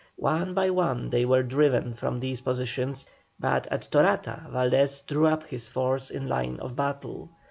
One by one they were driven from these positions, but at Torata Valdés drew up his force in line of battle.